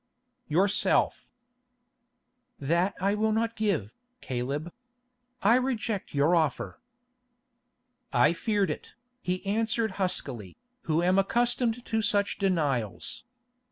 "Yourself." "That I will not give, Caleb. I reject your offer." "I feared it," he answered huskily, "who am accustomed to such denials.